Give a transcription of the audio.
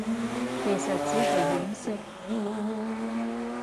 其實只係掩飾